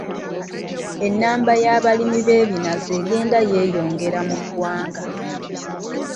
Ennamba y'abalimu b'ebinazi egenda yeeyongera mu ggwanga.